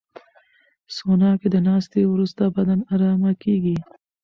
سونا کې د ناستې وروسته بدن ارامه کېږي.